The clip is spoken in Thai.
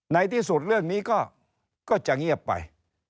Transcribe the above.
ในที่สุดเรื่องนี้ก็จะเงียบไป